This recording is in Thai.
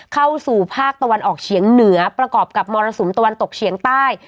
เข้าสู่ภาคตะวันออกเฉียงเหนือประกอบกับมรสุมตะวันตกเฉียงใต้